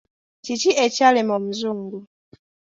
Kiki ekyalema omuzungu.